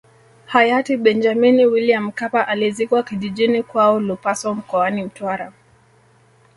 Hayati Benjamini Wiliam Mkapa alizikwa kijijini kwao Lupaso mkoani Mtwara